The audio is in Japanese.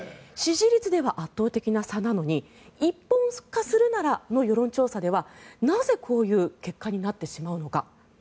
支持率では圧倒的な差なのに一本化するならの世論調査ではなぜ、こういう結果になってしまうのか。